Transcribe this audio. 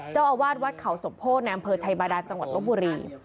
เจ้าอาวาสวัดเขาสมโพธิในอำเภอชัยบาดานจังหวัดลบบุรี